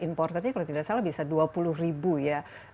importernya kalau tidak salah bisa dua puluh ribu ya